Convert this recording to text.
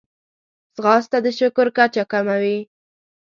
ځغاسته د شکر کچه کموي